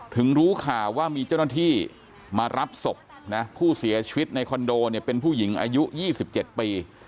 รู้ข่าวว่ามีเจ้าหน้าที่มารับศพนะผู้เสียชีวิตในคอนโดเนี่ยเป็นผู้หญิงอายุ๒๗ปี